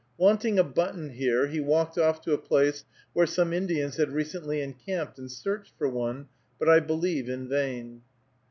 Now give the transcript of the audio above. Wanting a button here, he walked off to a place where some Indians had recently encamped, and searched for one, but I believe in vain.